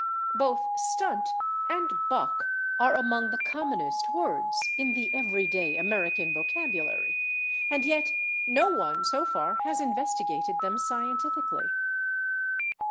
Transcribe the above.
Both /stunt/ and /buck/ are among the commonest words in the everyday American vocabulary, and yet no one, so far, has investigated them scientifically.